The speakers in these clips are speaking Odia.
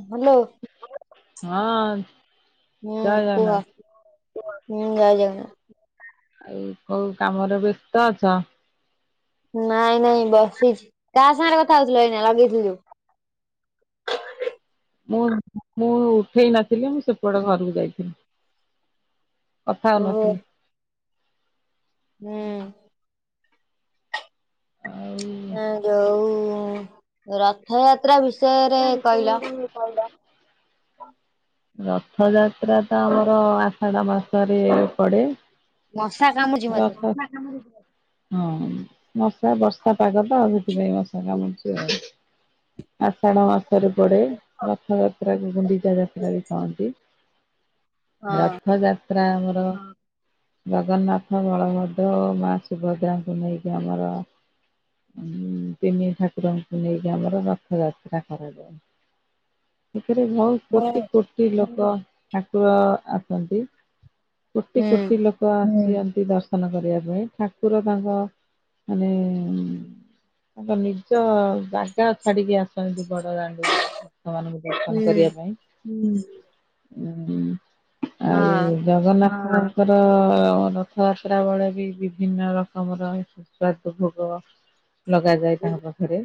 ହ୍ୟାଲୋ ହଁ ଜୟ ହୁଁ କୁହ ଜଗନ୍ନାଥ ହୁଁ ଜୟ ଜଗନ୍ନାଥ ଆଉ କୋଉ କାମରେ ବ୍ୟସ୍ତ ଅଛ? ନାଇଁ ନାଇଁ ବସିଛି କାହା ସାଙ୍ଗରେ କଥା ହଉଥିଲ ଏଇନା ଲଗେଇଥିଲି ଯୋଉ? ମୁଁ ମୁଁ ଉଠେଇ ନଥିଲି ମୁଁ ସେପଟ ଘରକୁ ଯାଇଥିଲି କଥା ଓହୋ ହଉନଥିଲି ହୁଁ ଆଉ ଇଁ ଯୋଉ ରଥଯାତ୍ରା ବିଷୟରେ କହିଲ [inaudible] ରଥଯାତ୍ରା ତ ଆମର ଆଷାଢ ମାସରେ ପଡେ ମଶା କାମୁଡିଛି ମତେ। ରଥ [inaudible] ହଁ ମଶା ବର୍ଷା ପାଗ ତ ସେଥିପାଇଁ ମଶା କାମୁଡୁଚି ଆଉ ଆଷାଢ ମାସରେ ପଡେ ରଥଯାତ୍ରାକୁ ଗୁଣ୍ଡିଚା ଯାତ୍ରା ବି କହନ୍ତି - ହଁ ରଥଯାତ୍ରା ଆମର ଜଗନ୍ନାଥ, ବଳଭଦ୍ର ଓ ମା ସୁଭଦ୍ରାଙ୍କୁ ନେଇକି ଆମର ତିନି ଠାକୁରଙ୍କୁ ନେଇକି ଆମର ର ଯାତ୍ରା କରାଯାଏ, ସେଥିରେ ବହୁତ ହୁଁ କୋଟି କୋ କୋଟି ଲୋକ ଠାକୁର ଆସନ୍ତି କୋଟି କୋଟି ଲୋକ [unintelligible] ଦର୍ଶନ କରିବା ପାଇଁ ଠାକୁର ତାଙ୍କ ମାନେ ତାଙ୍କ ନିଜ ଜାଗା ଅଛି ଛାଡିକି ଆସନ୍ତି ବଡ ଦାଣ୍ଡକୁ ଭକ୍ତମାନଙ୍କୁ ଦର୍ଶନ ହୁଁ କରିବା ପାଇଁ ହୁଁ ଉଁ ହଁ ଆଉ ଜଗନ୍ନାଥଙ୍କର ରଥଯାତ୍ରା ବେଳେ ବି ବିଭିନ୍ନ ରକମର ଏ ସ୍ଵାଦ ଭୋଗ ଲଗାଯାଏ ତାଙ୍କ ପାଖେରେ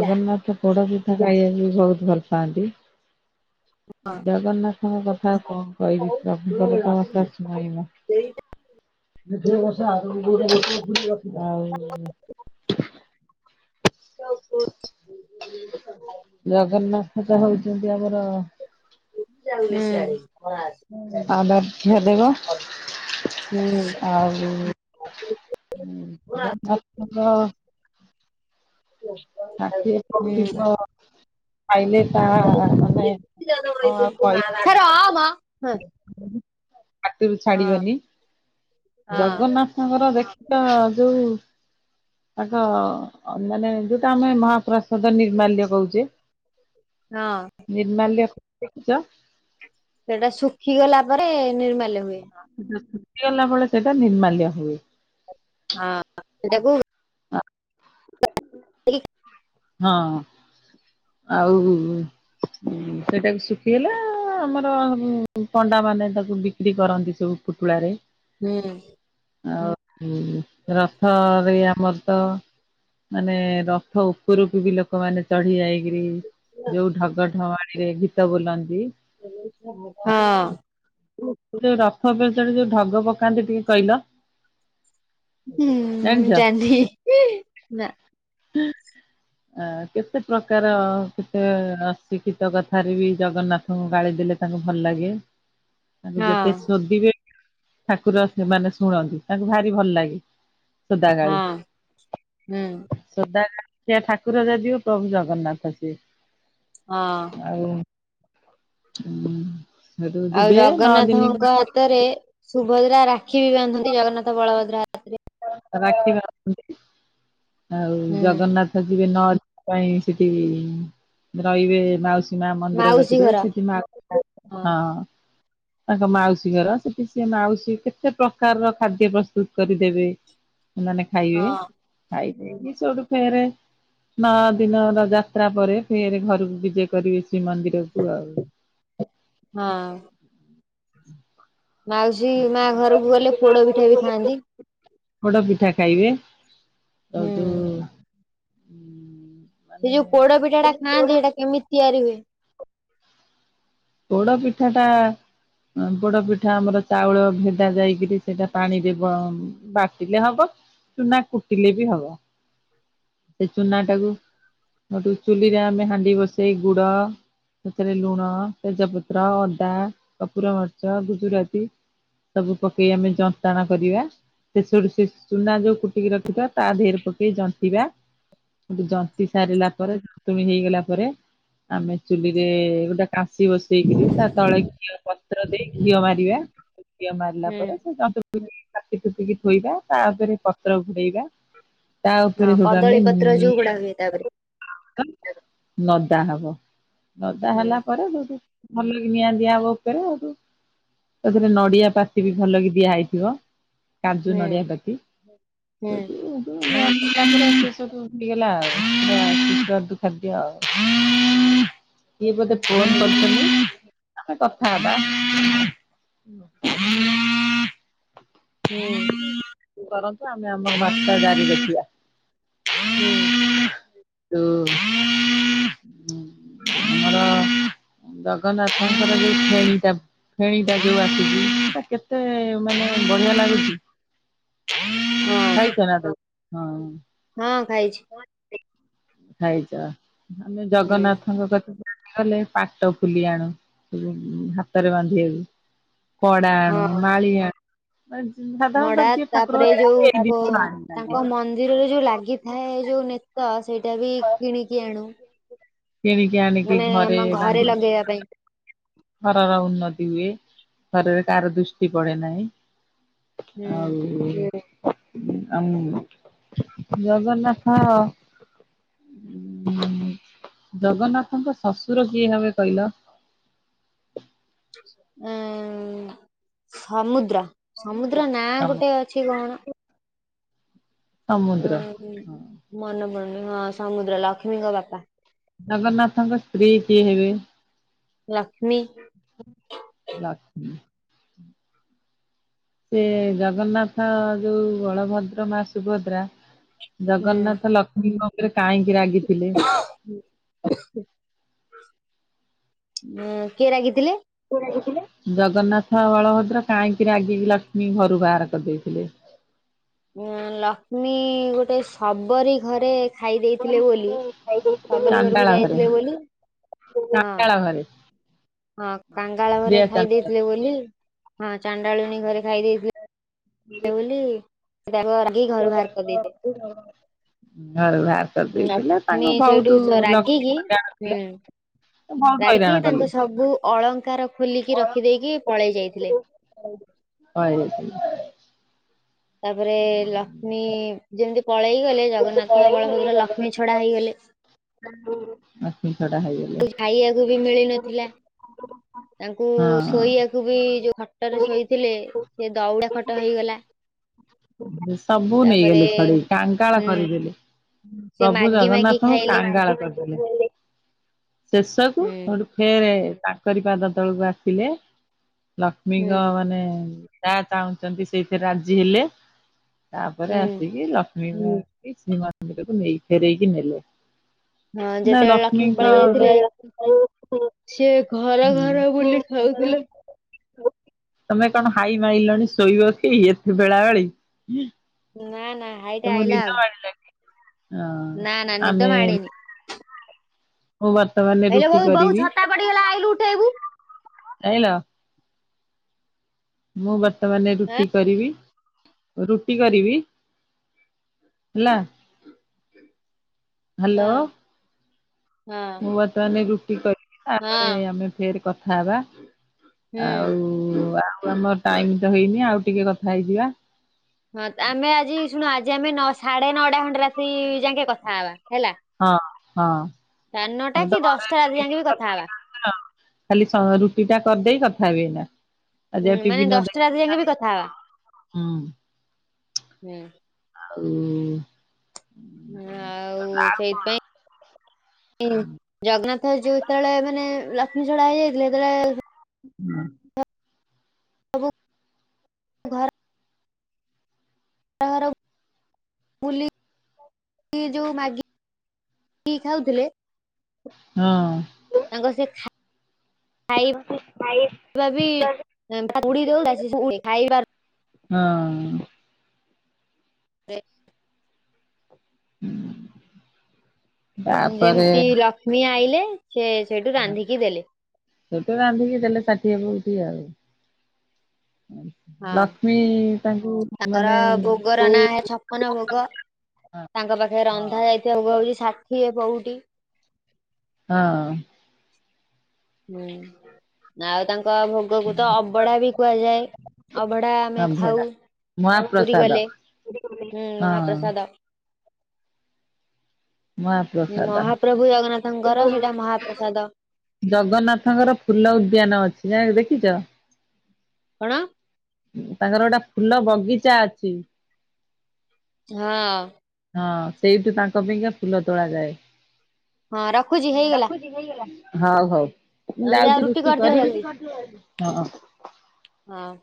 ଯା ପୋଡ ପିଠା ଖାଇବା ବି ବହୁତ ଭଲ ପାଆନ୍ତି - ହଁ ଜଗନ୍ନାଥଙ୍କ କଥା କଣ କହିବି ହୁଁ ପ୍ରଭୁଙ୍କ [unintelligible] ହୁଁ [inaudible] ଜଗନ୍ନାଥ ତ ହଉଚନ୍ତି ଆମର ହୁଁ [inaudible] ଆରାଧ୍ୟ ଦେବ ହୁଁ [inaudible] ହୁଁ [unintelligible] [inaudible] ଷାଠିଏ ପଉଟି ତ - ପାଇଲେ ତା ଅନେ ହଁ କହି ମ ହଁ ହାତୁରୁ ହଁ ଛାଡି଼ଗଲି। ହଁ ଜଗନ୍ନାଥଙ୍କର ଦେଖିଚ ଯୋଉ ତାଙ୍କ ମାନେ ଯୋଉଟା ଆମେ ମହାପ୍ରସାଦ ନିର୍ମାଲ୍ୟ କହୁଚେ। ହଁ। ନିର୍ମାଲ୍ୟ ଦେଖିଚ? ସେଇଟା ଶୁଖିଗଲା ପରେ ନିର୍ମାଲ୍ୟ ହୁଏ। ସେଟା ଶୁଖିଗଲା ବଳେ ସେଇଟା ନିର୍ମାଲ୍ୟ ହୁଏ। ହଁ ଏଟାକୁ ଅ ତେଗି ହଁ ଆଉ ଉଁ ସେଇଟାକୁ ଶୁଖିଗଲା ଆମର ପଣ୍ଡାମାନେ ତାକୁ ବିକ୍ରି କରନ୍ତି ସବୁ। ପୁଟୁଳାରେ। ହୁଁ। ଆଉ ରଥରେ ଆମର ତ ମାନେ ରଥ ଉ ପୁରକୁ ବି ଲୋକମାନେ ଚଢ଼ି ଯାଇକିରି ଯୋଉ ଢଗଢମାଣିରେ ଗୀତ ବୋଲନ୍ତି। ହଁ। ଯୋଉ ରଥ ଓପରେ ଚଢ଼ି ଯୋଉ ଢଗ ପକାନ୍ତି ଟିକେ କଇଲ। ଯେ ଜାଣିନେଇ ନାଁ। ହୁଁ ଅ କେତେ ପ୍ରକାର କେତେ ଅଶିକ୍ଷିତ କଥାରେ ବି ଜଗନ୍ନା ଥଙ୍କୁ ଗାଳି ଦେଲେ ତାଙ୍କୁ ଭଲ ଲାଗେ। ତାଙ୍କୁ ଯେତେ ହଁ ଶୋଦିବେ ଠାକୁର ସେମାନେ ଶୁଣନ୍ତି ତାଙ୍କୁ ଭାରି ଭଲ ଲାଗେ। ଶୋଦା ହଁ ଗାଳି ହୁଁ ଶୋଦା ଇଆ ଠାକୁର ଯଦିଓ ପ୍ରଭୁ ଜଗନ୍ନାଥ ସିଏ। ହଁ। ଆଉ ଉଁ ସେଠୁ ଆଉ ଯିବେ ନଅ ଦିନି ଜଗନ୍ନାଥଙ୍କ ହାତରେ ସୁଭଦ୍ରା ରାକ୍ଷୀ ବି ବାନ୍ଧନ୍ତି ଜଗନ୍ନାଥ ବଳଭଦ୍ର ହା ରାକ୍ଷୀ ବାନ୍ଧନ୍ତି। ଆଉ ହୁଁ ଜଗନ୍ନାଥ ଯିବେ ନଅ [inaudible] ପାଇଁ ସେଠି ରହିବେ ମାଉସୀ ତି ମା ମନ୍ଦିର ମାଉସୀ କତିରେ ଘର ସେଠି ମା [unintelligible] ହଁ। ତାଙ୍କ ମାଉସୀ ଘର ସେଠି ସିଏ ମାଉସୀ କେତେ ପ୍ରକାରର ଖାଦ୍ୟ ପ୍ରସ୍ତୁତୁ କରିଦେବେ। ମାନେ ଖାଇବେ ହଁ ଖାଇ ପିଇକି ସୋଉଠୁ ଫେରେ ନଅ ଦିନର ଯାତ୍ରା ପରେ ଫେରେ ଘରୁକୁ ବିଜେ କରିବେ ଶ୍ରୀମନ୍ଦିରକୁ ଆଉ। ହଁ। ମାଉସୀ ମା ଘରୁକୁ ଗଲେ ପୋଡ଼ପିଠା ବି ଖାଆନ୍ତି। ପୋଡ଼ପିଠା ଖାଇବେ ହୁଁ ସବୁଠୁ ଉଁ ସେ ଯୋଉ ପୋଡ଼ପିଠାଟା ଖାଆନ୍ତି ହେଟା କେମିତି ତିଆରି ହୁଏ? ପୋଡ଼ପିଠାଟା ଅଁ ପୋଡ଼ପିଠା ଆମର ଚାଉଳ ଭେଦା ଯାଇକିରି ସେଟା ପାଣିରେ ଗଁ ବାଟିଲେ ହବ ଚୁନା କୁଟିଲେ ବି ହବ। ଏ ଚୁନାଟାକୁ ହଟୁ ଚୁଲିରେ ଆମେ ହାଣ୍ଡି ବସେଇ ଗୁଡ଼ ସେଥିରେ ଲୁଣ, ତେଜପତ୍ର, ଅଦା, କପୁର ମରିଚ, ଗୁଜୁରାତି ସବୁ ପକେଇ ଆମେ ଯନ୍ତାଣ କରିବା। ସେଷୁ ରୁ ସେ ଚୁନା ଯୋଉ କୁଟିକି ରଖିଥିବା ତା ଧେରେ ପକେଇ ଜନ୍ତିବା। ଜନ୍ତି ସାରିଲା ପରେ [unintelligible] ଣୀ ହେଇଗଲା ପରେ ଆମେ ଚୁଲିରେ ଗୋଟେ କାଂଶି ବସେଇକିରି ତା ତଳେ ଘିଅ ପତ୍ର ଦେଇ ଘିଅ ମାରିବା। ଘିଅ ମାରିଲା ହୁଁ ପରେ ସେ ଜନ୍ତୁ [unintelligible] କାତି କୁତି କି ଥୋଇବା ତାପରେ ପତ୍ର ଘୁଡ଼େଇବା। ତା ହଁ ଉପେରେ ସେଇଠୁ କଦଳୀ ଆମେ ପତ୍ର ଯୋଉ ଗୁଡା ନିଆ ହୁଏ ତାପରେ [unintelligible] ନଦା ହବ ନଦା ହୁଁ ହେଲା ପରେ ସେଉଟୁ ଭଲ କି ନିଆଁ ଦିଆହବ ଉପରେ ହଉଠୁ ତାଧିଅରେ ନଡିଆ ପାତି ବି ଭଲ କି ଦିଆହଇଥିବ। କାଜୁ ହୁଁ। ନଡିଆ ପାତି ସଉଠୁ ସୌଟୁ। [unintelligible] ସଉଟୁ ଭୁଲି ଗଲା ଆଉୁ [inaudible] ସୁସାଦୁ ଖାଦ୍ୟ ଆଉ [unintelligible] ଇଏ ବୋଧେ ଫୋନ୍ କରିଛନ୍ତି? ଆମେ କଥା ହେବା। [unintelligible] [unintelligible] କରନ୍ତୁ ଆମେ ଆମର ବାର୍ତ୍ତା ଜାରି ରଖିବା। ହୁଁ। [unintelligible] ଉଁ ହୁଁ ଆମର ଜଗନ୍ନାଥଙ୍କର ଜଉ [inaudible] ଫେଣି ଟା ଯୋଉ ଆସିଛି ସେ କେତେ ମାନେ ବଢିଆ ଲାଗୁଛି। [inaudible] ହଁ ଖାଇଛ ନା ହଁ। ହଁ ଖାଇଛି। [inaudible] ଖାଇଛ ଆମେ ହୁଁ ଜଗନ୍ନାଥଙ୍କ ପାଖକୁ ଲେ ପାଟପୁଲି ଆଣୁ ସେ ଜଉ ହାତରେ ବାନ୍ଧିବାକୁ। କଡ଼ା ଆଣୁ ମାଳି ଆଣୁ [inaudible] ମାନେ ଜି ମଡା ତାପରେ ଯୋଉ କ ଆଣିଥାନ୍ତି ତାଙ୍କ ମନ୍ଦିରରେ ଯୋଉ ଲାଗି ଥାଏ ଏ ଯୋଉ ନେତ ସେଇଟା ବି କିଣିକି ଆଣୁ। କିଣିକି ଆଣିକି ଘରେ ବାନ୍ଧି ଲଗେଇ ଆ ପାଇଁ। ଘରର ଉନ୍ନତି ହୁଏ ଘରରେ କାହାର ଦୃଷ୍ଟି ପଡେ ନାହିଁ। ହୁଁ ଆଉ [inaudible] ଆଉ ଜଗନ୍ନାଥ ଉ ଜଗନ୍ନାଥଙ୍କ ଶ୍ୱଶୁର କିଏ ହେବେ କହିଲ? ଉ ସମୁଦ୍ର। ସମୁଦ୍ର ନାଁ ସମୁ ଗୋଟେ ଅ ଛି କଣ? ସମୁଦ୍ର ହଁ ହଁ ମନେ ପଡୁନି ହଁ ସମୁଦ୍ର ଲକ୍ଷ୍ମୀଙ୍କ ବାପା। ଜଗନ୍ନାଥଙ୍କ ସ୍ତ୍ରୀ କିଏ ହେବେ? ଲକ୍ଷ୍ମୀ। [unintelligible] ଲକ୍ଷ୍ମୀ। ସେ ଜଗନ୍ନାଥ ଯୋଉ ବଳଭଦ୍ର ମା ସୁଭଦ୍ରା ହୁଁ ଜଗନ୍ନାଥ ଲକ୍ଷ୍ମୀ ଉପରେ କାହିଁକି ରାଗିଥିଲେ? [unintelligible] କିଏ ରାଗିଥିଲେ? କିଏ ରହିଥିଲେ? ଜଗନ୍ନାଥ ବଳଭଦ୍ର କାହିଁକି ରାଗିକି ଲକ୍ଷ୍ମୀ ଘରୁ ବାହାର କରିଦେଇଥିଲେ? ଉଁ ଲକ୍ଷ୍ମୀ ଗୋଟେ ଶବରୀ ଘରେ ଖାଇ ଦେଇେଥିଲେ ବୋଲି ଶବରୀ ଚାଣ୍ଡାଳ ଘରକୁ ଘରେ ଯାଇଥିଲେ ବୋଲି ହଁ [unintelligible] ଘରେ। ହଁ କାଙ୍ଗାଳ ଘରେ ଦିଆ ଖାଇ ଚାଣ୍ଡାଳ ଦେଇଥିଲେ ବୋଲି ହଁ ଚାଣ୍ଡାଳିୁଣୀ ଘରେ ଖାଇ ଦେଇଥିଲେ ଥିଲେ ବୋଲି [unintelligible] [unintelligible] କରିଦେଇଥିଲେ ତାକୁ ଦେଇଥିଲେ, ଲକ୍ଷ୍ମୀ ତାଙ୍କୁ ସେଇଠୁ ବହୁତୁ ଲକ୍ଷେ ରାଗିକି ଟଙ୍କାର ହୁଁ ବୁଲେଟ। ରାଗିକି ତାଙ୍କ ସବୁ ଅଳଙ୍କାର ଖୋଲିକି ରଖିଦେଇକି ପଳେଇ ଯାଇଥିଲେ। [unintelligible] ତାପରେ ଲକ୍ଷ୍ମୀ ଯେମିତି ପଳେଇ ଗଲେ, ଜଗନ୍ନାଥ ବଳଭଦ୍ର ଲକ୍ଷ୍ମୀ ଛଡ଼ା ହେଇଗଲେ। [unintelligible] ଲକ୍ଷ୍ମୀ ଛଡ଼ା ହେଇଗଲେ। କିଛି ଖାଇଆକୁ ବି ମିଳି ନଥିଲା। ତାଙ୍କୁ ହଁ ଶୋଇଆକୁ କୁ ବି ଯୋଉ ଖଟ ରେ ଶୋଇଥିଲେ, ସେ ଦଉଡ଼ା ଖଟ ହେଇଗଲା। ସବୁ ତାପରେ ନେଇଗଲେ ଛଡ଼େଇକି, କାଙ୍ଗାଳ ହୁଁ କରିଦେଲେ। ସେ ପ୍ରଭୁ ମାଗି ମାଗି ଜଗନ୍ନାଥଙ୍କୁ ଖାଇଲେ କାଙ୍ଗାଳ କରିଦେଲେ। ଶେଷକୁ ହୁଁ ସେଇଠୁ ଫେରେ ତାଙ୍କରି ପାଦ ତଳକୁ ଆସିଲେ। ହୁଁ ଲକ୍ଷ୍ମୀଙ୍କ ମାନେ ଯାହା ଚାହୁଁଛନ୍ତି, ସେଇଥିରେ ରାଜି ହେଲେ। ତାପରେ ହୁଁ ଆସିକି ଲକ୍ଷ୍ମୀଙ୍କୁ ଶ୍ରୀମନ୍ଦିରକୁ ନେଇ ଫେରଇକି ନେଲେ। ହଁ, ନା ଯେତେବେଳେ ଲକ୍ଷ୍ମୀ ଲକ୍ଷ୍ମୀଙ୍କ ପଳେଇ ଯାଇଥିଲେ, ସେ ଘର ହୁଁ ଘର ବୁଲି ଖାଉଥିଲେ। ତମେ କଣ ହାଇ ମାଇଲଣି ଶୋଇବ କି, ଏତେ ବେଳାବେଳି? ନା, ନା। ହାଇଟା ତମକୁ ଆଇଲା ଆଉ ନିଦ ମାଡ଼ିଲା କି? ନା ନା ନିଦ ମାଡିନି ମୁଁ ବର୍ତ୍ତମାନ ରୁଟି କରିବି। ପଡ଼ିଗଲା, ଆଇଲୁ ଉଠେଇବୁ? ଯାଇଁଲ। ମୁଁ ବର୍ତ୍ତମାନ ହଁ ରୁଟି କରିବି, ରୁଟି କରିବି। ହେଲା, ହଁ ହାଲୋ। ହଁ ମୁଁ ବର୍ତ୍ତମାନ ରୁଟି କରିବି, ହଁ ତାପରେ ଆମେ ଫେର କଥା ହେବା। ହୁଁ ଆଉ, ଆଉ ଆମର ଟାଇମ୍ ତ ହେଇନି, ଆଉ ଟିକେ କଥା ହେଇଯିବା। ହଁ, ଆମେ ଆଜି, ଶୁଣ, ଆଜି ଆମେ ନ ସାଢ଼େ ନଅଟା ଖଣ୍ଡେ ରାତି ଯାକେ କଥା ହେବା। ହେଲା, ହଁ ହଁ ସାଢ଼େ ନଅଟା ଆମେ ତ କି ଘରେ ଦଶଟା ରାତି ଯାକେଁ ଶୋଇକିରି ବି କଥା ହେବା। ହେଇପାରୁଛୁ ଖାଲି ରୁଟି ଟା କରିଦେଇ, କଥା ହେବି ଏଇନା। ଆଜି ହୁଁ, ଆଉ ଟିଭି ମାନେ ନ ଦଶଟା ରାତି ଦେଖିକି ଯାକେଁ ବି ନାହିଁ। କଥା ହବା। ହୁଁ ହୁଁ। ଆଉ। ହଁ, ଆଉ-ଉ-ଉ ସେଇଥିପାଇଁ ହୁଁ, ଜଗନ୍ନାଥ ଯୋଉ ତେଳେ ମାନେ ଲକ୍ଷ୍ମୀ ଛଡ଼ା ହେଇଯାଇଥିଲେ, ସେତେବେଳେ ହୁଁ। ସବୁ ଘର ଘର [inaudible] ବୁଲିକି ଯୋଉ ମାଗିକି ଖାଉଥିଲେ ହୁଁ। ତାଙ୍କ ସେ ଖା [unintelligible] [unintelligible] ହଁ। [unintelligible] ହୁଁ। ଯେମିତି ଲକ୍ଷ୍ମୀ ଆଇଲେ, ସେ ସେଠୁ ରାନ୍ଧିକି ଦେଲେ। ସେ ତ ରାନ୍ଧିକି ଦେଲେ ଷାଠିଏ ପଉଠି ଆଉ। ହଁ। ହଁ ଲକ୍ଷ୍ମୀ ତାଙ୍କୁ ତାଙ୍କର ମାନେ ଭୋଗର ନାଁ କୋଉ ଛପନ ଭୋଗ [inaudible] ତାଙ୍କ ପାଖେ ହଁ ରନ୍ଧା ଯାଇଥିବା ଓଗ ହଉଚି ଷାଠିଏ ପଉଟି। ହଁ। ହୁଁ ଆଉ ତାଙ୍କ ଭ ଗକୁ ତ ଅବଢ଼ା ବି କୁହାଯାଏ ଅବଢ଼ା ଆମେ ସଭ୍ୟତା ଖାଉ। ପୁରୀ ମହାପ୍ରସାଦ। ଗଲେ ହୁଁ ହଁ ମହାପ୍ରସାଦ। ମହାପ୍ରସାଦ ମହାପ୍ରଭୁ ଉଁ ଜଗନ୍ନାଥଙ୍କର ହୁଁ ସେଇଟା ଉଁ। ମହାପ୍ରସାଦ ଜଗନ୍ନାଥଙ୍କର ଫୁଲ ଉଦ୍ୟାନ ଅଛି ଯା ଦେଖିଚ? କଣ? ତାଙ୍କର ଓଟା ଫୁଲ ବଗିଚା ଅଛି। ହଁ। ହଁ ସେଇଠୁ ତାଙ୍କ ପାଇଁକା ଫୁଲ ତୋଳାଯାଏ। ହଁ ରଖୁଚି ହେଇଗଲା। ହଉ ହଉ ମୁଁ ତମେ ଯାଅ ଯାଉଚି ରୁଟି କରିଦିଅ କରିବି ଜଲ୍ଦି ହଁ। ହଁ।